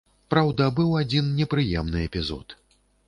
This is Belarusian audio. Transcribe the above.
Праўда, быў адзін непрыемны эпізод.